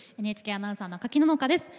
ＮＨＫアナウンサーの赤木野々花です。